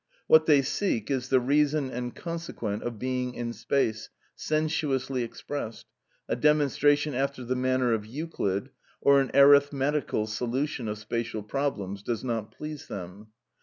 What they seek is the reason and consequent of being in space, sensuously expressed; a demonstration after the manner of Euclid, or an arithmetical solution of spacial problems, does not please them.